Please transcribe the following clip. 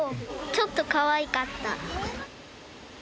ちょっとかわいかった。